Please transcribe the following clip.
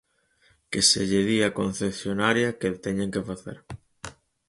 Que se lle di á concesionaria que teñen que facer.